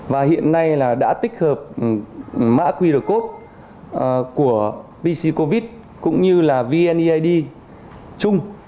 và hiện nay đã tích hợp mã qr code của pc covid cũng như vneid chung